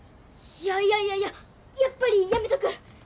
いやいやいやいややっぱりやめとく！